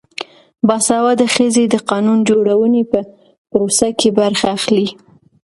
باسواده ښځې د قانون جوړونې په پروسه کې برخه اخلي.